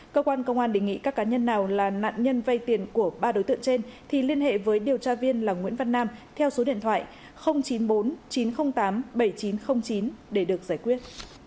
cơ quan công an đề nghị các cá nhân nào là nạn nhân vay tiền của ba đối tượng trên thì liên hệ với điều tra viên là nguyễn văn nam theo số điện thoại chín mươi bốn chín trăm linh tám bảy nghìn chín trăm linh chín để được giải quyết